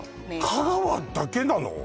香川だけなの？